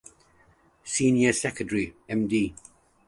Senior Secretary Md.